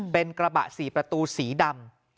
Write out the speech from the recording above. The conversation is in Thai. เป็นกระบะ๔ประตูสีดำ